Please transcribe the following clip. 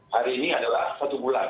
hari ini adalah satu bulan